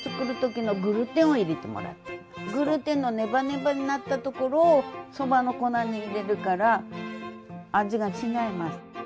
グルテンのねばねばになったところをそばの粉に入れるから味が違います。